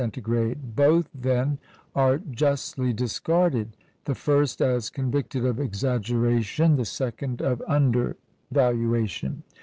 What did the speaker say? Both, then, are justly discarded, the first as convicted of exaggeration, the second of undervaluation.